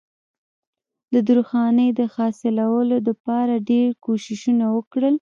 د درخانۍ د حاصلولو د پاره ډېر کوششونه وکړل